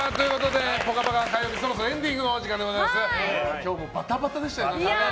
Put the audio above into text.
今日もバタバタでしたね。